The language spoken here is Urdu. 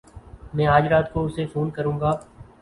میں اج رات کو اسے فون کروں گا۔